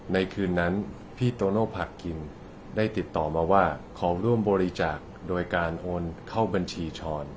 ในคืนนั้นพี่โตโน่ผักกินได้ติดต่อมาว่าขอร่วมบริจาคโดยการโอนเข้าบัญชีช้อน